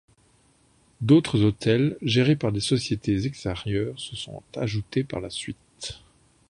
D'autres hôtels, gérés par des sociétés extérieures, se sont ajoutés par la suite.